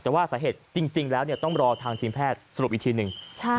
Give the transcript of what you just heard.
แต่ว่าสาเหตุจริงแล้วต้องรอทางทีมแพทย์สรุปอีกทีหนึ่ง